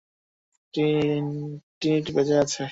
Trinity বেঁচে আছে।